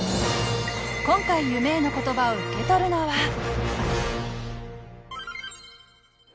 今回夢への言葉を受け取るのは。